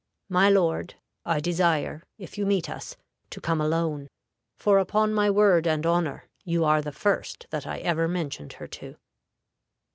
My lord, I desire, if you meet us, to come alone, for, upon my word and honor, you are the first that I ever mentioned her to."